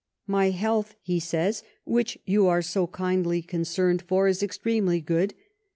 " My health," he says, "which you are so kindly concerned for, is ex tremely good.